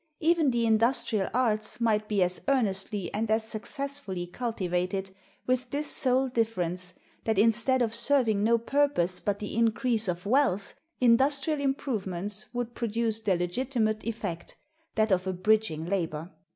Even the industrial arts might be as earnestly and as successfully cultivated, with this sole difference, that instead of serving no purpose but the increase of wealth, industrial improvements would produce their legitimate effect, that of abridging labor.